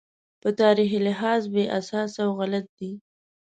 په تاریخي لحاظ بې اساسه او غلط دی.